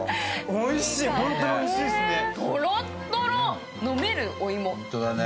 おいしい、本当においしいですね。